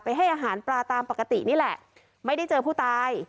ให้อาหารปลาตามปกตินี่แหละไม่ได้เจอผู้ตาย